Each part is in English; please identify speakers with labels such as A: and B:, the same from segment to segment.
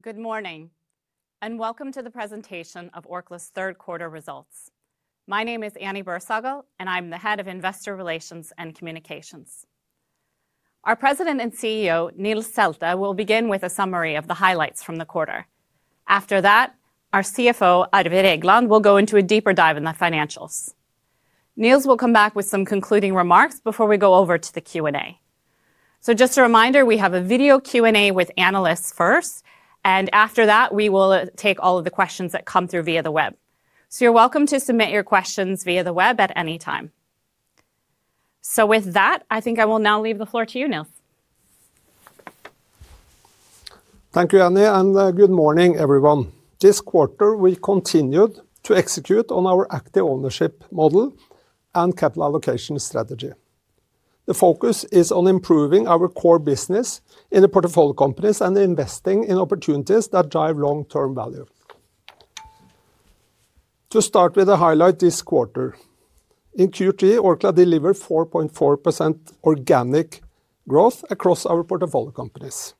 A: Good morning, and welcome to the presentation of Orkla's third quarter results. My name is Annie Bersagel, and I'm the Head of Investor Relations and Communications. Our President and CEO, Nils Selte, will begin with a summary of the highlights from the quarter. After that, our CFO, Arve Regland, will go into a deeper dive in the financials. Nils will come back with some concluding remarks before we go over to the Q&A. Just a reminder, we have a video Q&A with analysts first, and after that, we will take all of the questions that come through via the web. You're welcome to submit your questions via the web at any time. With that, I think I will now leave the floor to you, Nils.
B: Thank you, Annie, and good morning, everyone. This quarter, we continued to execute on our active ownership model and capital allocation strategy. The focus is on improving our core business in the portfolio companies and investing in opportunities that drive long-term value. To start with a highlight this quarter, in Q3, Orkla delivered 4.4% organic growth across our portfolio companies,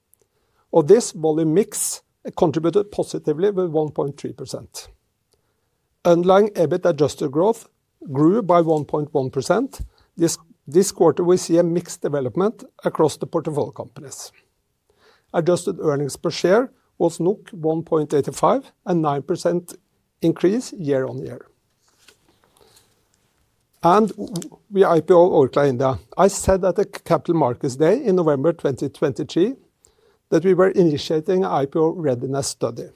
B: while this volume mix contributed positively with 1.3%. Underlying EBIT adjusted growth grew by 1.1%. This quarter, we see a mixed development across the portfolio companies. Adjusted earnings per share was 1.85, a 9% increase year on year. We IPO Orkla India. I said at the Capital Markets Day in November 2023 that we were initiating an IPO readiness study.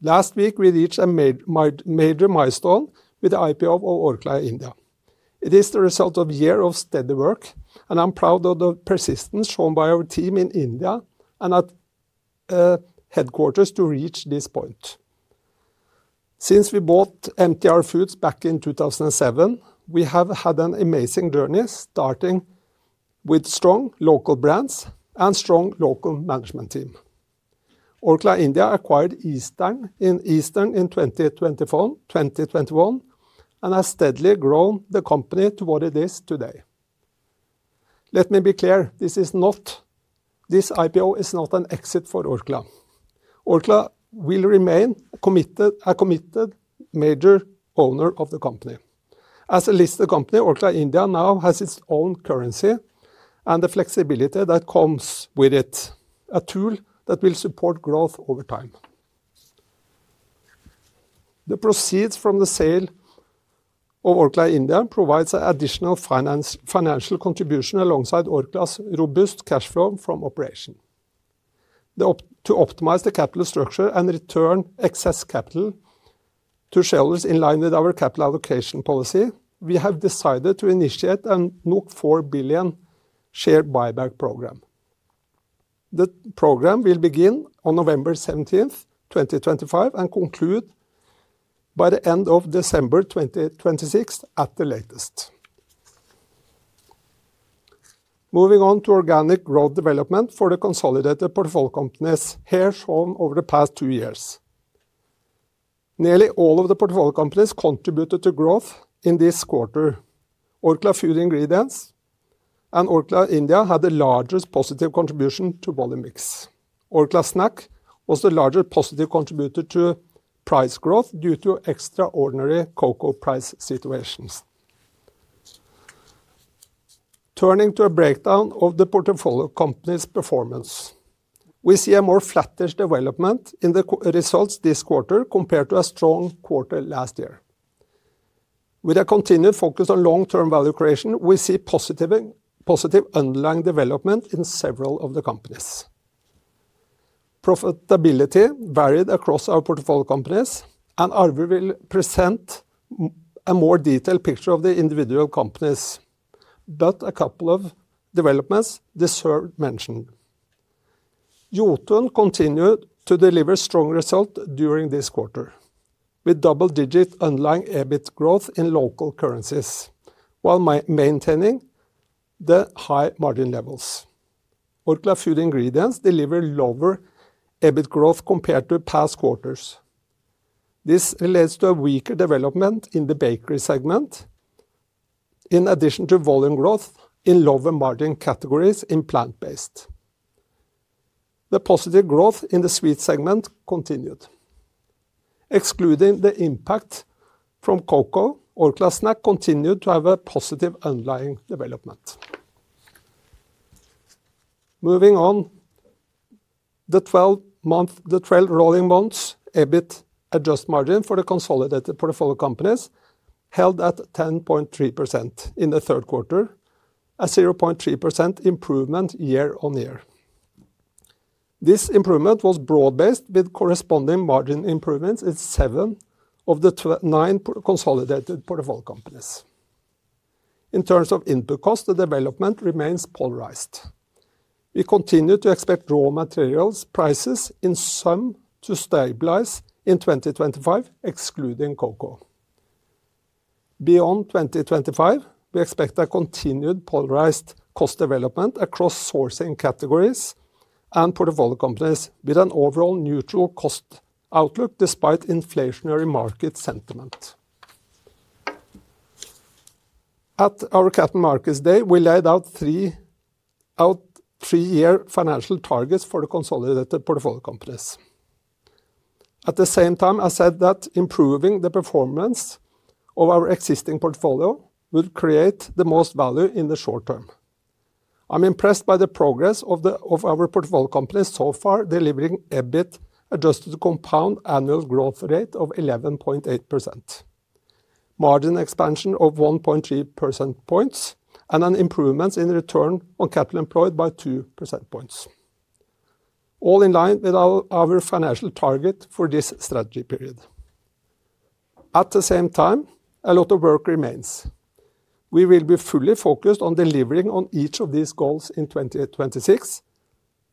B: Last week, we reached a major milestone with the IPO of Orkla India. It is the result of a year of steady work, and I'm proud of the persistence shown by our team in India and at headquarters to reach this point. Since we bought MTR Foods back in 2007, we have had an amazing journey starting with strong local brands and a strong local management team. Orkla India acquired Eastern in 2021 and has steadily grown the company to what it is today. Let me be clear, this IPO is not an exit for Orkla. Orkla will remain a committed major owner of the company. As a listed company, Orkla India now has its own currency and the flexibility that comes with it, a tool that will support growth over time. The proceeds from the sale of Orkla India provide an additional financial contribution alongside Orkla's robust cash flow from operation. To optimize the capital structure and return excess capital to shareholders in line with our capital allocation policy, we have decided to initiate a 4 billion share buyback program. The program will begin on November 17th, 2025, and conclude by the end of December 2026 at the latest. Moving on to organic growth development for the consolidated portfolio companies here shown over the past two years. Nearly all of the portfolio companies contributed to growth in this quarter. Orkla Food Ingredients and Orkla India had the largest positive contribution to volume mix. Orkla Snacks was the largest positive contributor to price growth due to extraordinary cocoa price situations. Turning to a breakdown of the portfolio companies' performance, we see a more flattish development in the results this quarter compared to a strong quarter last year. With a continued focus on long-term value creation, we see positive underlying development in several of the companies. Profitability varied across our portfolio companies, and Arve will present a more detailed picture of the individual companies, but a couple of developments deserve mention. Jotun continued to deliver strong results during this quarter with double-digit underlying EBIT growth in local currencies while maintaining the high margin levels. Orkla Food Ingredients delivered lower EBIT growth compared to past quarters. This led to a weaker development in the bakery segment in addition to volume growth in lower margin categories in plant-based. The positive growth in the sweet segment continued. Excluding the impact from cocoa, Orkla Snacks continued to have a positive underlying development. Moving on, the 12-month, the 12 rolling months EBIT adjusted margin for the consolidated portfolio companies held at 10.3% in the third quarter, a 0.3% improvement year on year. This improvement was broad-based with corresponding margin improvements in seven of the nine consolidated portfolio companies. In terms of input cost, the development remains polarized. We continue to expect raw materials prices in some to stabilize in 2025, excluding cocoa. Beyond 2025, we expect a continued polarized cost development across sourcing categories and portfolio companies with an overall neutral cost outlook despite inflationary market sentiment. At our Capital Markets Day, we laid out three-year financial targets for the consolidated portfolio companies. At the same time, I said that improving the performance of our existing portfolio would create the most value in the short term. I'm impressed by the progress of our portfolio companies so far, delivering EBIT adjusted to compound annual growth rate of 11.8%, margin expansion of 1.3 percentage points, and an improvement in return on capital employed by 2 percentage points, all in line with our financial target for this strategy period. At the same time, a lot of work remains. We will be fully focused on delivering on each of these goals in 2026,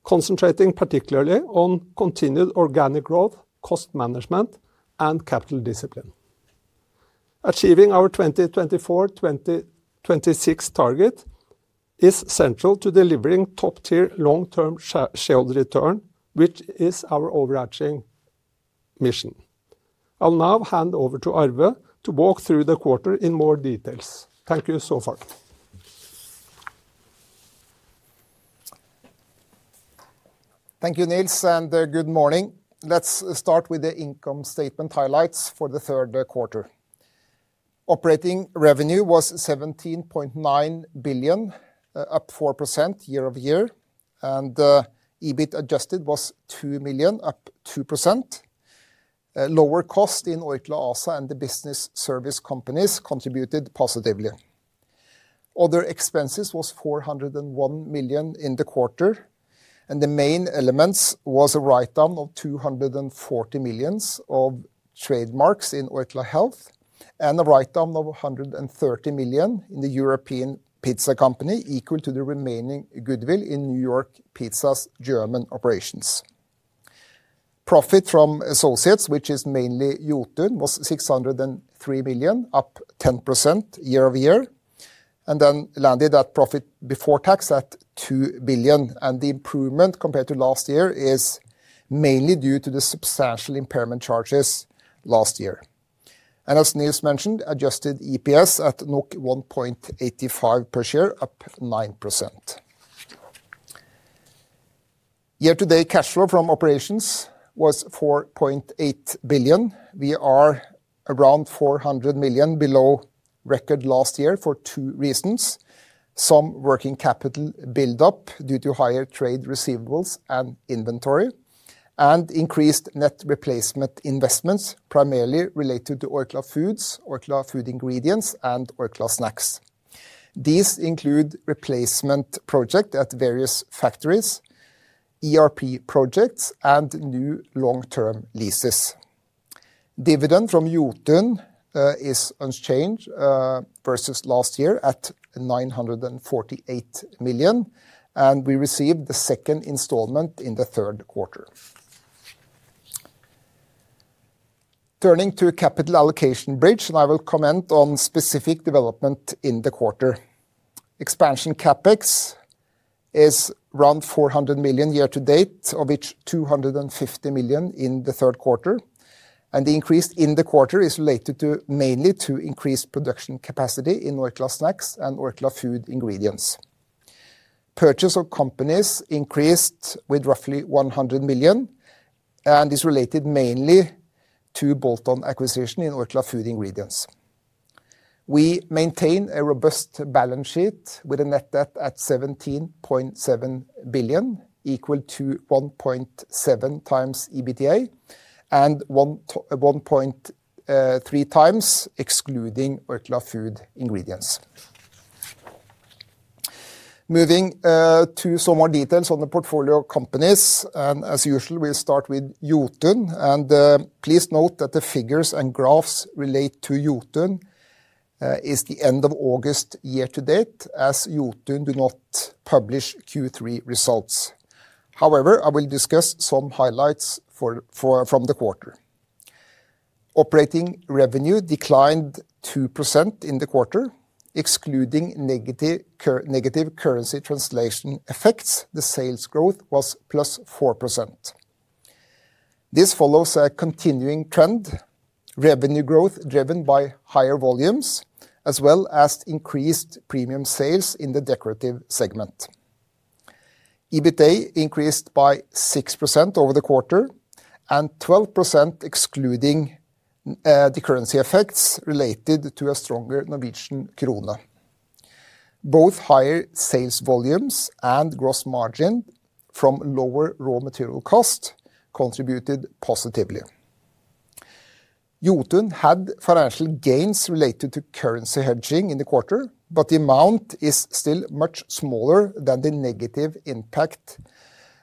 B: concentrating particularly on continued organic growth, cost management, and capital discipline. Achieving our 2024-2026 target is central to delivering top-tier long-term shareholder return, which is our overarching mission. I'll now hand over to Arve to walk through the quarter in more details. Thank you so far.
C: Thank you, Nils, and good morning. Let's start with the income statement highlights for the third quarter. Operating revenue was 17.9 billion, up 4% year-over-year, and EBIT adjusted was 2 billion, up 2%. Lower cost in Orkla ASA and the business service companies contributed positively. Other expenses was 401 million in the quarter, and the main elements was a write-down of 240 million of trademarks in Orkla Health and a write-down of 130 million in the European Pizza Company, equal to the remaining goodwill in New York Pizza's German operations. Profit from associates, which is mainly Jotun, was 603 million, up 10% year-over-year, and that landed profit before tax at 2 billion. The improvement compared to last year is mainly due to the substantial impairment charges last year. As Nils mentioned, adjusted EPS at 1.85 per share, up 9%. Year-to-date cash flow from operations was 4.8 billion. We are around 400 million below record last year for two reasons: some working capital build-up due to higher trade receivables and inventory, and increased net replacement investments primarily related to Orkla Foods, Orkla Food Ingredients, and Orkla Snacks. These include replacement projects at various factories, ERP projects, and new long-term leases. Dividend from Jotun is unchanged versus last year at 948 million, and we received the second installment in the third quarter. Turning to capital allocation bridge, and I will comment on specific development in the quarter. Expansion CapEx is around 400 million year to date, of which 250 million in the third quarter, and the increase in the quarter is related mainly to increased production capacity in Orkla Snacks and Orkla Food Ingredients. Purchase of companies increased with roughly 100 million, and is related mainly to Bolton acquisition in Orkla Food Ingredients. We maintain a robust balance sheet with a net debt at 17.7 billion, equal to 1.7x EBITDA and 1.3x excluding Orkla Food Ingredients. Moving to some more details on the portfolio companies, and as usual, we'll start with Jotun, and please note that the figures and graphs relate to Jotun is the end of August year to date as Jotun do not publish Q3 results. However, I will discuss some highlights from the quarter. Operating revenue declined 2% in the quarter, excluding negative currency translation effects. The sales growth was +4%. This follows a continuing trend, revenue growth driven by higher volumes as well as increased premium sales in the decorative segment. EBITDA increased by 6% over the quarter and 12% excluding the currency effects related to a stronger Norwegian krone. Both higher sales volumes and gross margin from lower raw material cost contributed positively. Jotun had financial gains related to currency hedging in the quarter, but the amount is still much smaller than the negative impact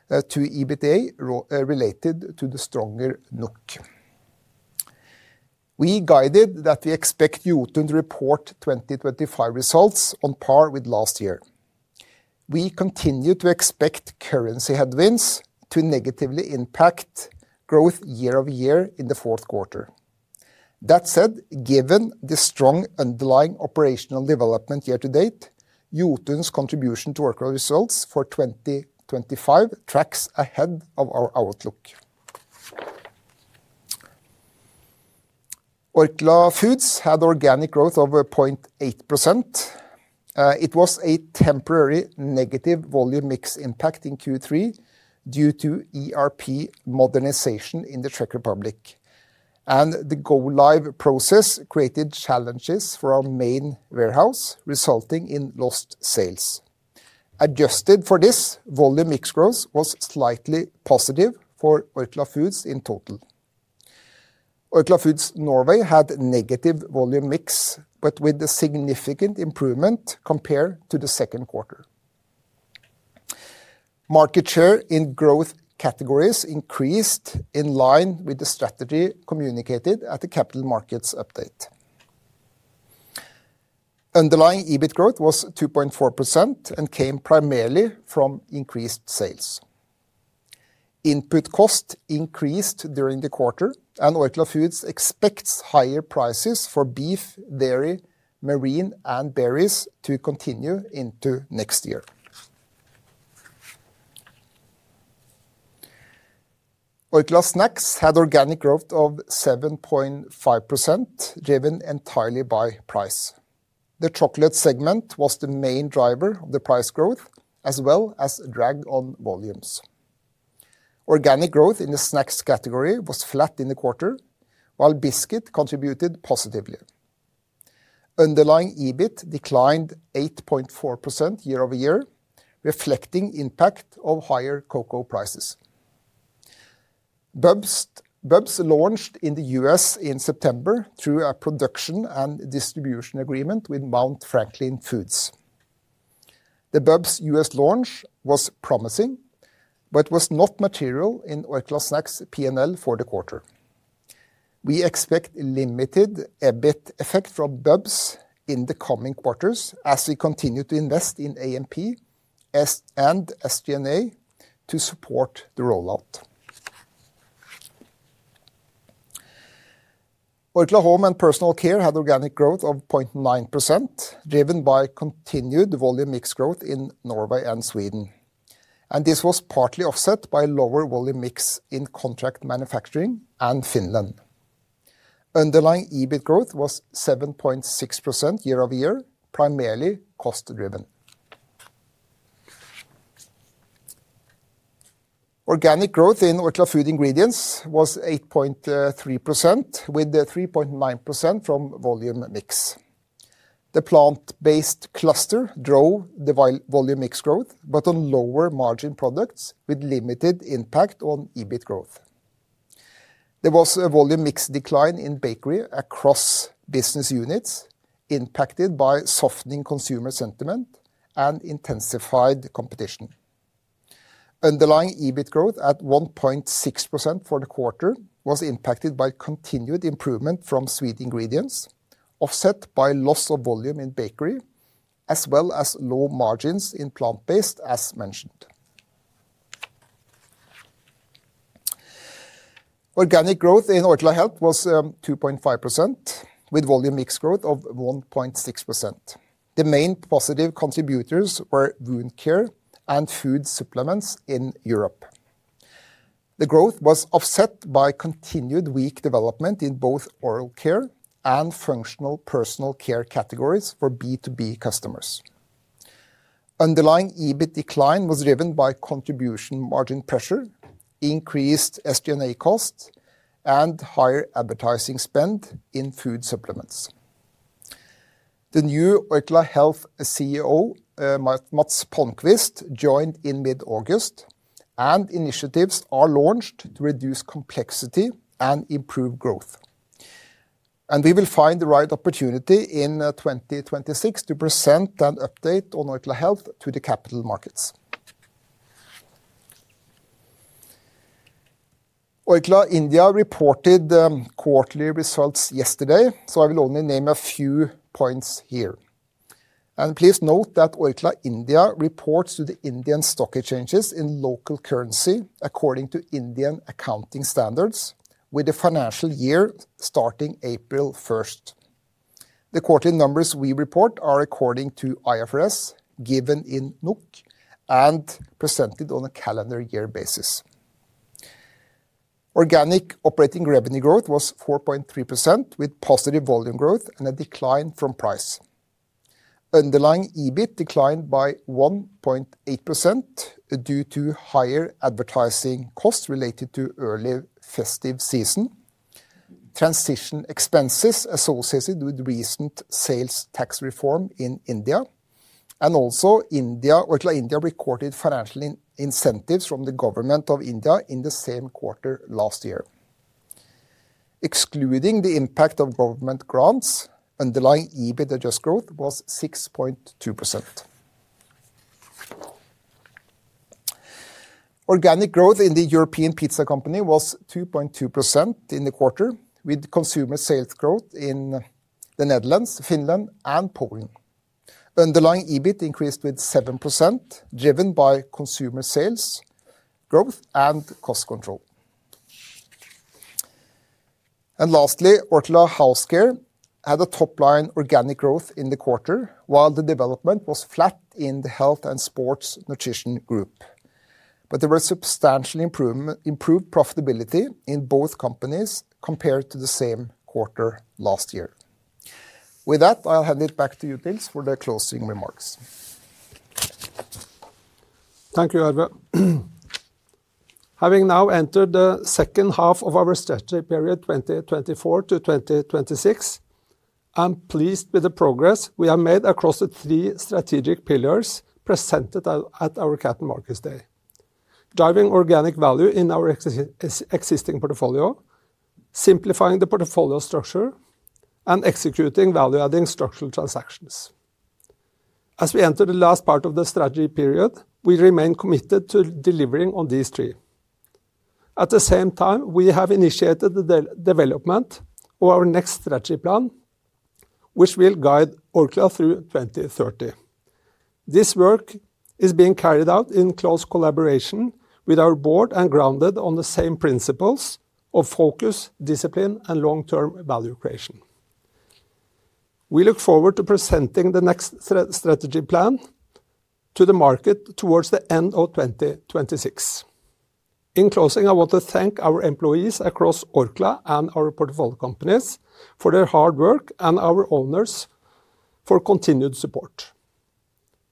C: to EBITDA related to the stronger NOK. We guided that we expect Jotun to report 2025 results on par with last year. We continue to expect currency headwinds to negatively impact growth year-over-year in the fourth quarter. That said, given the strong underlying operational development year to date, Jotun's contribution to Orkla results for 2025 tracks ahead of our outlook. Orkla Foods had organic growth of 0.8%. It was a temporary negative volume mix impact in Q3 due to ERP modernization in the Czech Republic, and the go-live process created challenges for our main warehouse, resulting in lost sales. Adjusted for this, volume mix growth was slightly positive for Orkla Foods in total. Orkla Foods Norway had negative volume mix, but with a significant improvement compared to the second quarter. Market share in growth categories increased in line with the strategy communicated at the Capital Markets Update. Underlying EBIT growth was 2.4% and came primarily from increased sales. Input cost increased during the quarter, and Orkla Foods expects higher prices for beef, dairy, marine, and berries to continue into next year. Orkla Snacks had organic growth of 7.5% driven entirely by price. The chocolate segment was the main driver of the price growth, as well as a drag on volumes. Organic growth in the snacks category was flat in the quarter, while biscuit contributed positively. Underlying EBIT declined 8.4% year-over-year, reflecting impact of higher cocoa prices. BUBS launched in the U.S. in September through a production and distribution agreement with Mount Franklin Foods. The BUBS U.S. launch was promising, but was not material in Orkla Snacks' P&L for the quarter. We expect limited EBIT effect from BUBS in the coming quarters as we continue to invest in A&P and SG&A to support the rollout. Orkla Home and Personal Care had organic growth of 0.9% driven by continued volume mix growth in Norway and Sweden, and this was partly offset by lower volume mix in contract manufacturing and Finland. Underlying EBIT growth was 7.6% year-over-year, primarily cost driven. Organic growth in Orkla Food Ingredients was 8.3%, with 3.9% from volume mix. The plant-based cluster drove the volume mix growth, but on lower margin products with limited impact on EBIT growth. There was a volume mix decline in bakery across business units impacted by softening consumer sentiment and intensified competition. Underlying EBIT growth at 1.6% for the quarter was impacted by continued improvement from sweet ingredients, offset by loss of volume in bakery, as well as low margins in plant-based, as mentioned. Organic growth in Orkla Health was 2.5%, with volume mix growth of 1.6%. The main positive contributors were wound care and food supplements in Europe. The growth was offset by continued weak development in both oral care and functional personal care categories for B2B customers. Underlying EBIT decline was driven by contribution margin pressure, increased SG&A cost, and higher advertising spend in food supplements. The new Orkla Health CEO, Mats Palmquist, joined in mid-August, and initiatives are launched to reduce complexity and improve growth. We will find the right opportunity in 2026 to present an update on Orkla Health to the capital markets. Orkla India reported quarterly results yesterday, so I will only name a few points here. Please note that Orkla India reports to the Indian stock exchanges in local currency according to Indian accounting standards, with the financial year starting April 1st. The quarterly numbers we report are according to IFRS, given in NOK, and presented on a calendar year basis. Organic operating revenue growth was 4.3%, with positive volume growth and a decline from price. Underlying EBIT declined by 1.8% due to higher advertising costs related to early festive season, transition expenses associated with recent sales tax reform in India, and also Orkla India recorded financial incentives from the government of India in the same quarter last year. Excluding the impact of government grants, underlying EBIT adjusted growth was 6.2%. Organic growth in the European Pizza Company was 2.2% in the quarter, with consumer sales growth in the Netherlands, Finland, and Poland. Underlying EBIT increased with 7%, driven by consumer sales growth and cost control. Lastly, Orkla House Care had a top-line organic growth in the quarter, while the development was flat in the Health and Sports Nutrition Group. There was substantial improved profitability in both companies compared to the same quarter last year. With that, I'll hand it back to you, Nils, for the closing remarks.
B: Thank you, Arve. Having now entered the second half of our strategy period 2024 to 2026, I'm pleased with the progress we have made across the three strategic pillars presented at our Capital Markets Day: driving organic value in our existing portfolio, simplifying the portfolio structure, and executing value-adding structural transactions. As we enter the last part of the strategy period, we remain committed to delivering on these three. At the same time, we have initiated the development of our next strategy plan, which will guide Orkla through 2030. This work is being carried out in close collaboration with our board and grounded on the same principles of focus, discipline, and long-term value creation. We look forward to presenting the next strategy plan to the market towards the end of 2026. In closing, I want to thank our employees across Orkla and our portfolio companies for their hard work and our owners for continued support.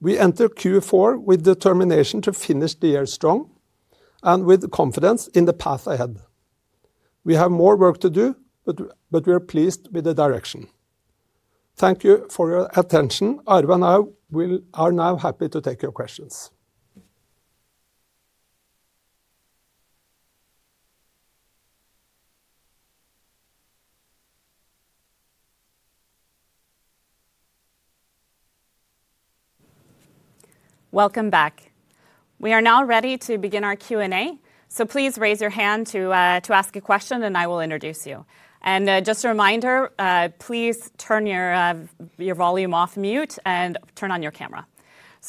B: We enter Q4 with the determination to finish the year strong and with confidence in the path ahead. We have more work to do, but we are pleased with the direction. Thank you for your attention. Arve and I are now happy to take your questions.
A: Welcome back. We are now ready to begin our Q&A, so please raise your hand to ask a question, and I will introduce you. Just a reminder, please turn your volume off mute and turn on your camera.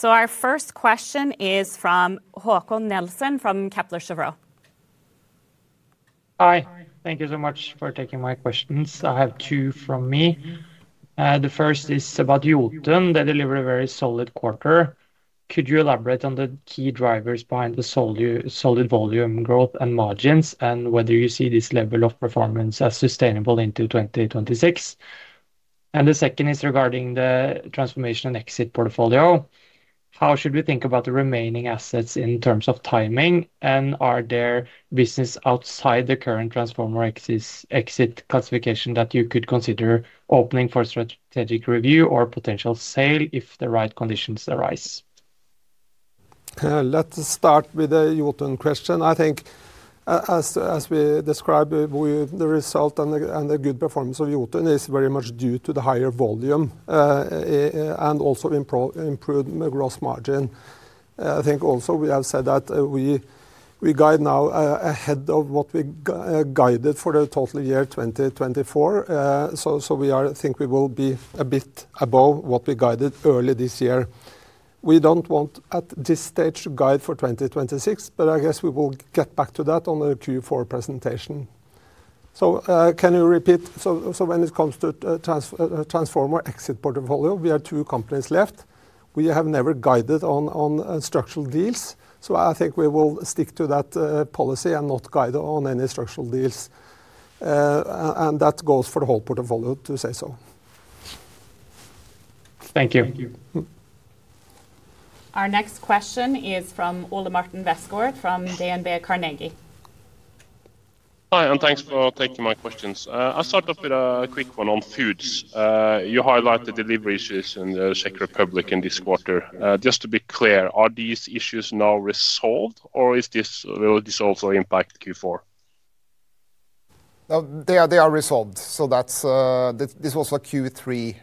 A: Our first question is from Håkon Nelson from Kepler Cheuvreux.
D: Hi. Thank you so much for taking my questions. I have two from me. The first is about Jotun, that delivered a very solid quarter. Could you elaborate on the key drivers behind the solid volume growth and margins, and whether you see this level of performance as sustainable into 2026? The second is regarding the transformation and exit portfolio. How should we think about the remaining assets in terms of timing, and are there businesses outside the current transformation or exit classification that you could consider opening for strategic review or potential sale if the right conditions arise?
B: Let's start with the Jotun question. I think, as we described, the result and the good performance of Jotun is very much due to the higher volume and also improved gross margin. I think also we have said that we guide now ahead of what we guided for the total year 2024. We think we will be a bit above what we guided early this year. We do not want at this stage to guide for 2026. I guess we will get back to that on the Q4 presentation. Can you repeat? When it comes to transformer exit portfolio, we are two companies left. We have never guided on structural deals. I think we will stick to that policy and not guide on any structural deals. That goes for the whole portfolio, to say so.
D: Thank you.
A: Our next question is from Ole Martin Westgaard from DNB Carnegie.
E: Hi, and thanks for taking my questions. I'll start off with a quick one on foods. You highlighted delivery issues in the Czech Republic in this quarter. Just to be clear, are these issues now resolved, or will this also impact Q4?
C: They are resolved. This was a Q3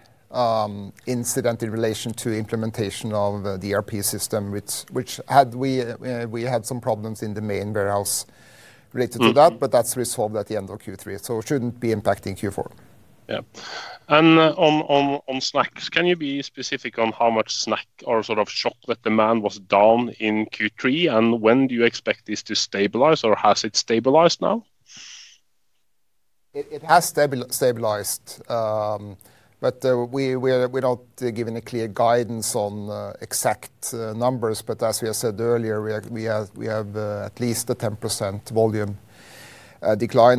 C: incident in relation to implementation of the ERP system, which had we had some problems in the main warehouse related to that, but that's resolved at the end of Q3, so it shouldn't be impacting Q4.
E: Yeah. On snacks, can you be specific on how much snack or sort of chocolate demand was down in Q3, and when do you expect this to stabilize, or has it stabilized now?
C: It has stabilized, but we're not giving a clear guidance on exact numbers. As we said earlier, we have at least a 10% volume decline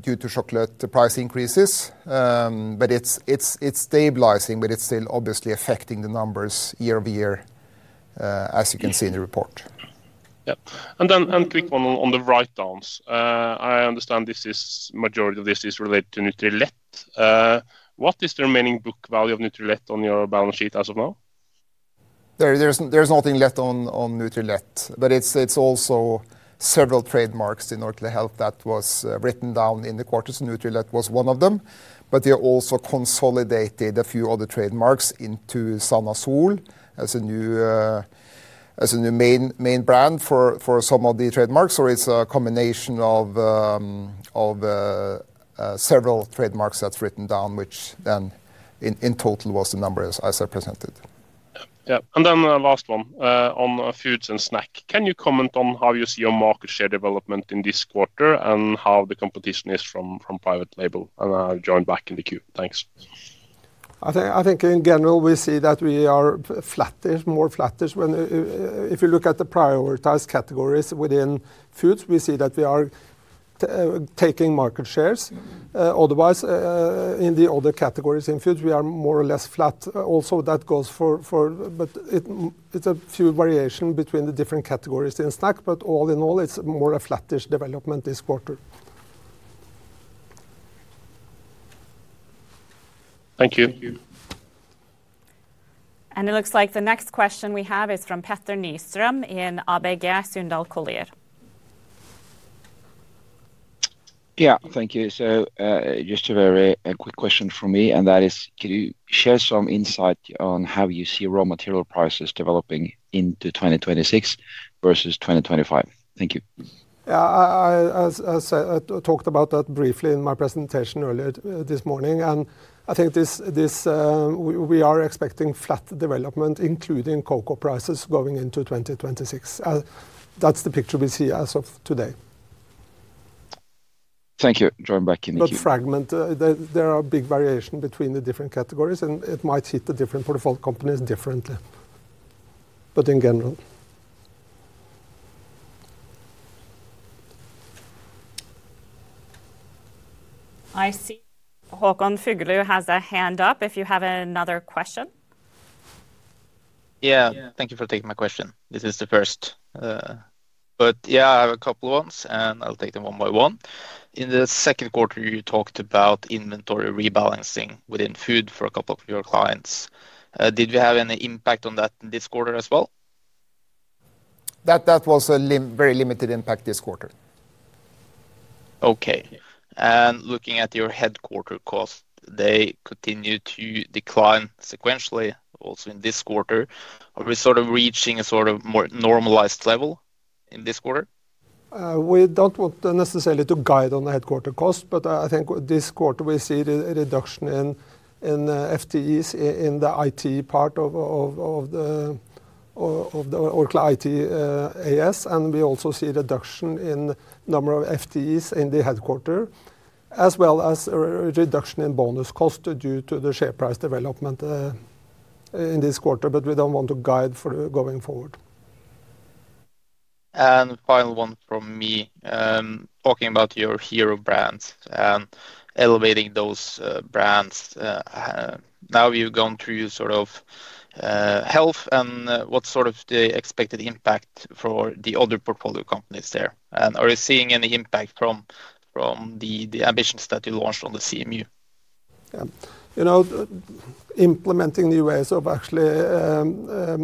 C: due to chocolate price increases. It is stabilizing, but it is still obviously affecting the numbers year-over-year, as you can see in the report.
E: Yeah. A quick one on the write-downs. I understand this is the majority of this is related to Nutrilett. What is the remaining book value of Nutrilett on your balance sheet as of now?
C: There's nothing left on Nutrilett, but it's also several trademarks in Orkla Health that were written down in the quarter. Nutrilett was one of them, but they also consolidated a few other trademarks into Sana-sol as a new main brand for some of the trademarks. It's a combination of several trademarks that's written down, which then in total was the numbers as I presented.
E: Yeah. And then a last one on foods and snacks. Can you comment on how you see your market share development in this quarter and how the competition is from private label? And I'll join back in the queue. Thanks.
B: I think in general, we see that we are flattish, more flattish. If you look at the prioritized categories within foods, we see that we are taking market shares. Otherwise, in the other categories in foods, we are more or less flat. Also, that goes for, but it is a few variations between the different categories in snack, but all in all, it is more of a flattish development this quarter.
E: Thank you.
A: It looks like the next question we have is from Petter Nystrøm in ABG Sundal Collier.
F: Yeah, thank you. Just a very quick question from me, and that is, could you share some insight on how you see raw material prices developing into 2026 versus 2025? Thank you.
B: Yeah, as I talked about that briefly in my presentation earlier this morning, and I think we are expecting flat development, including cocoa prices going into 2026. That's the picture we see as of today.
F: Thank you. Join back in the queue.
B: Fragmented. There are big variations between the different categories, and it might hit the different portfolio companies differently. In general.
A: I see Håkon Fuglu has a hand up if you have another question.
G: Yeah, thank you for taking my question. This is the first. Yeah, I have a couple of ones, and I'll take them one by one. In the second quarter, you talked about inventory rebalancing within food for a couple of your clients. Did we have any impact on that this quarter as well?
C: That was a very limited impact this quarter.
G: Okay. Looking at your headquarter cost, they continue to decline sequentially also in this quarter. Are we sort of reaching a sort of more normalized level in this quarter?
B: We do not want necessarily to guide on the headquarter cost, but I think this quarter we see a reduction in FTEs in the IT part of Orkla IT AS, and we also see a reduction in the number of FTEs in the headquarter, as well as a reduction in bonus cost due to the share price development in this quarter, but we do not want to guide for going forward.
G: Final one from me. Talking about your hero brands and elevating those brands, now you've gone through sort of health, and what's sort of the expected impact for the other portfolio companies there? Are you seeing any impact from the ambitions that you launched on the CMU?
B: Yeah. You know, implementing new ways of actually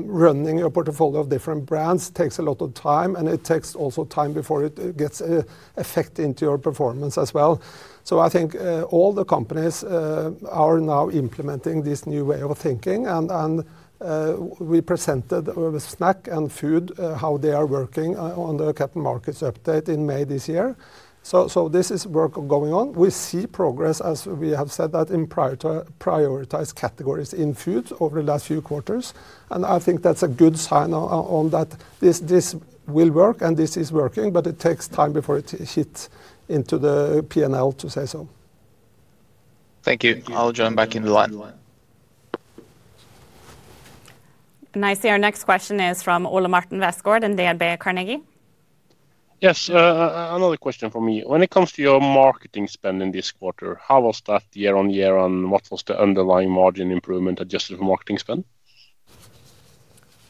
B: running your portfolio of different brands takes a lot of time, and it takes also time before it gets an effect into your performance as well. I think all the companies are now implementing this new way of thinking, and we presented with snack and food how they are working on the Capital Markets Update in May this year. This is work going on. We see progress, as we have said, in prioritized categories in food over the last few quarters, and I think that's a good sign on that this will work, and this is working, but it takes time before it hits into the P&L, to say so.
G: Thank you. I'll join back in the line.
A: I see our next question is from Ole Martin Westgaard in DNB Carnegie.
E: Yes, another question from me. When it comes to your marketing spend in this quarter, how was that year on year, and what was the underlying margin improvement adjusted for marketing spend?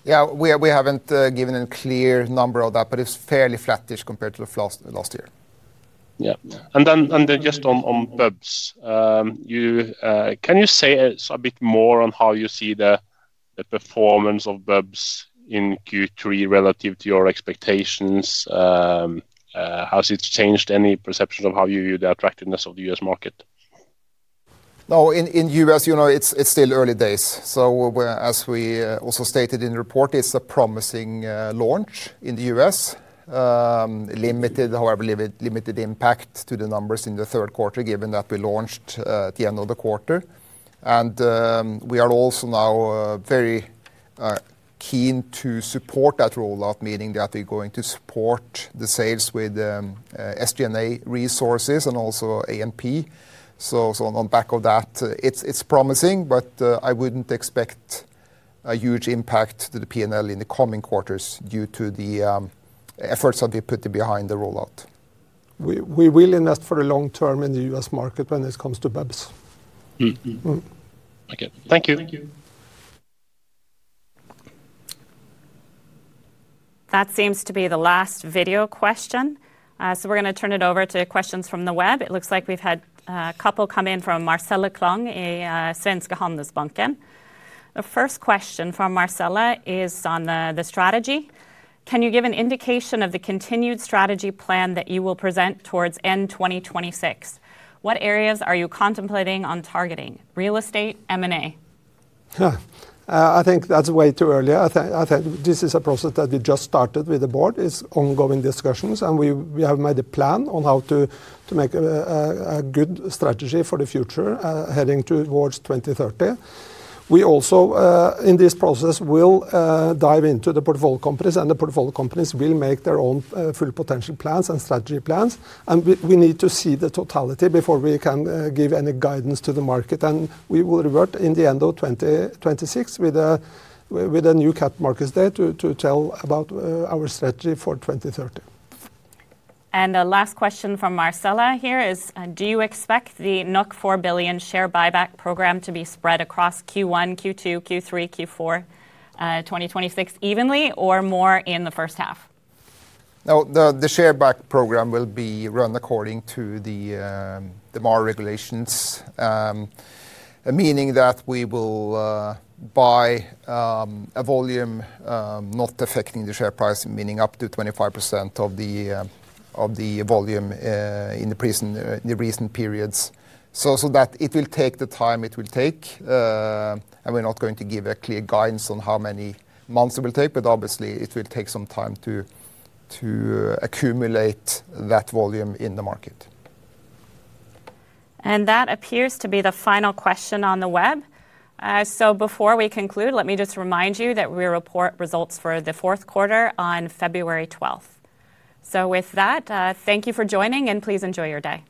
C: Yeah, we haven't given a clear number on that, but it's fairly flattish compared to last year.
E: Yeah. And then just on BUBS, can you say a bit more on how you see the performance of BUBS in Q3 relative to your expectations? Has it changed any perception of how you view the attractiveness of the U.S. market?
C: No, in the U.S., you know, it's still early days. As we also stated in the report, it's a promising launch in the U.S., limited, however, limited impact to the numbers in the third quarter, given that we launched at the end of the quarter. We are also now very keen to support that rollout, meaning that we're going to support the sales with SG&A resources and also A&P. On the back of that, it's promising, but I wouldn't expect a huge impact to the P&L in the coming quarters due to the efforts that we put behind the rollout.
B: We will invest for the long term in the U.S. market when it comes to BUBS.
E: Thank you.
A: That seems to be the last video question. We are going to turn it over to questions from the web. It looks like we have had a couple come in from Marcela Klang at Svenska Handelsbanken. The first question from Marcela is on the strategy. Can you give an indication of the continued strategy plan that you will present towards end 2026? What areas are you contemplating on targeting? Real estate, M&A?
B: I think that's way too early. I think this is a process that we just started with the board. It's ongoing discussions, and we have made a plan on how to make a good strategy for the future heading towards 2030. We also, in this process, will dive into the portfolio companies, and the portfolio companies will make their own full potential plans and strategy plans. We need to see the totality before we can give any guidance to the market. We will revert in the end of 2026 with a new Capital Markets Day to tell about our strategy for 2030.
A: The last question from Marcela here is, do you expect the 4 billion share buyback program to be spread across Q1, Q2, Q3, Q4, 2026 evenly, or more in the first half?
C: Now, the share buyback program will be run according to the MAR regulations, meaning that we will buy a volume not affecting the share price, meaning up to 25% of the volume in the recent periods. That means it will take the time it will take, and we're not going to give a clear guidance on how many months it will take, but obviously, it will take some time to accumulate that volume in the market.
A: That appears to be the final question on the web. Before we conclude, let me just remind you that we report results for the fourth quarter on February 12th. With that, thank you for joining, and please enjoy your day.